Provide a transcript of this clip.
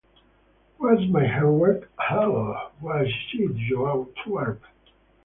Where's my homework? Ugh, where is it, you twerp!